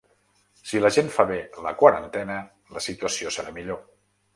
Si la gent fa bé la quarantena, la situació serà millor.